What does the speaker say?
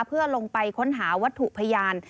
เพื่อลงไปค้นหาวัตถุพยาน